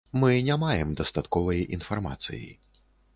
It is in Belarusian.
Мы не маем дастатковай інфармацыі.